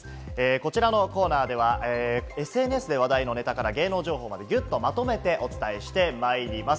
こちらのコーナーでは、ＳＮＳで話題のネタから芸能情報まで、ぎゅっとまとめてお伝えしてまいります。